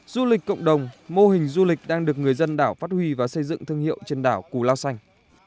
du lịch cộng đồng mô hình du lịch đang được người dân đảo phát huy và xây dựng thương hiệu trên đảo cù lao xanh